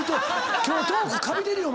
今日。